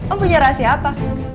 om punya rahasia apa